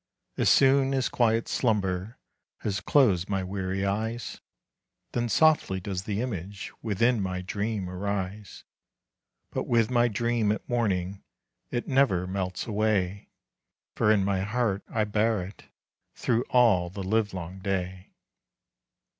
As soon as quiet slumber Has closed my weary eyes, Then softly does the image Within my dream arise. But with my dream at morning, It never melts away; For in my heart I bear it Through all the livelong day.